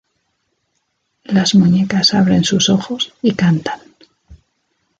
Las muñecas abren sus ojos y cantan.